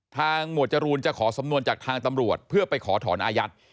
หมวดจรูนจะขอสำนวนจากทางตำรวจเพื่อไปขอถอนอายัด